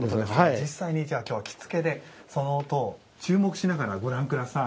実際にじゃあ今日は着付けでその音を注目しながらご覧下さい。